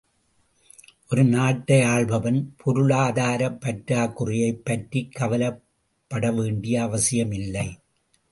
ஒரு நாட்டை ஆள்பவன் பொருளாதாரப் பற்றாக் குறையைப் பற்றிக் கவலைப்பட வேண்டிய அவசியம் இல்லை.